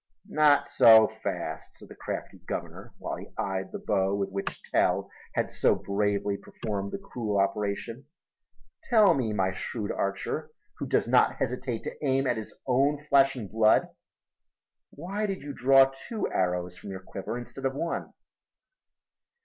"Not so fast," said the crafty governor, while he eyed the bow with which Tell had so bravely performed the cruel operation. "Tell me, my shrewd archer, who does not hesitate to aim at his own flesh and blood, why did you draw two arrows from your quiver instead of one?"